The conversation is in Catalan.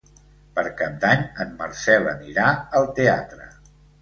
Per Cap d'Any en Marcel anirà al teatre.